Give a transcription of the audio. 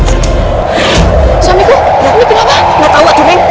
gak tau itu meng